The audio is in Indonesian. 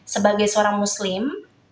sebagai seorang muslim